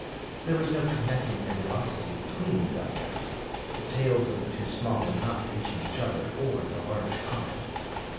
There was no connecting nebulosity between these objects, the tails of the two smaller not reaching each other, or the large comet.